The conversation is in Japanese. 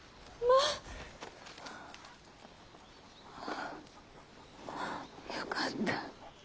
あぁよかった。